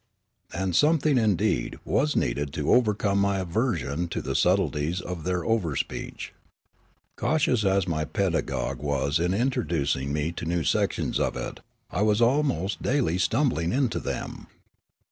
And something, indeed, was needed to overcome my aversion to the subleties of their overspeech. Cau tious as my pedagogue was in introducing me to new 30 Riallaro sections of it, I was almost daily stumbling into them.